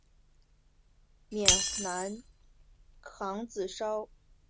缅南杭子梢为豆科杭子梢属下的一个亚种。